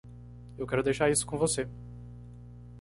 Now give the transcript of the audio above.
Eu quero deixar isso com você.